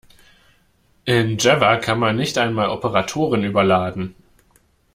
In Java kann man nicht einmal Operatoren überladen.